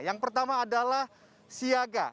yang pertama adalah siaga